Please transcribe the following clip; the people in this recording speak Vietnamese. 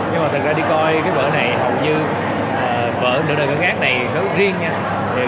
nhưng mà thật ra đi coi cái vở này hầu như vở nửa đời ngơ ngát này rất riêng nha